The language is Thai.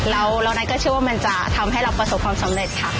แล้วนัทก็เชื่อว่ามันจะทำให้เราประสบความสำเร็จค่ะ